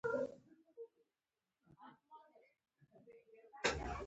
ملا صاحب حیران شو وویل بیا څه پېښ شول؟